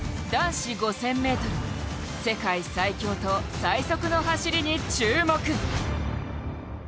男子５０００ｍ世界最強と最速の走りに注目。